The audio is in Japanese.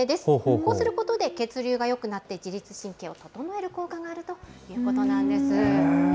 こうすることで血流がよくなって、自律神経を整える効果があるということなんです。